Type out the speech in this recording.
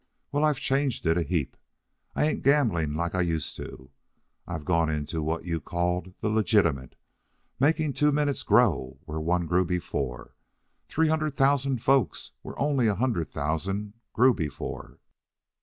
Well, I've changed it a heap. I ain't gambling like I used to. I've gone into what you called the legitimate, making two minutes grow where one grew before, three hundred thousand folks where only a hundred thousand grew before.